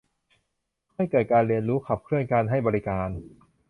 เพื่อให้เกิดการเรียนรู้ ขับเคลื่อนการให้บริการ